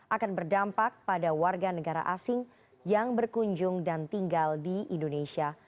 akan berdampak pada warga negara asing yang berkunjung dan tinggal di indonesia